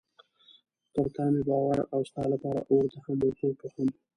پر تا مې باور و او ستا لپاره اور ته هم ورټوپ وهم.